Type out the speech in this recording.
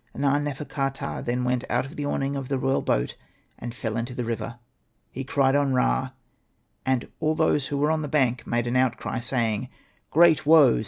Na.nefer.ka.ptah then went out of the awning of the royal boat and fell into the river. He cried on Ra ; and all those who were on the bank made an outcry, saying, * Great woe !